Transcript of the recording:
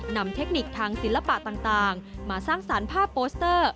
เทคนิคทางศิลปะต่างมาสร้างสารผ้าโปสเตอร์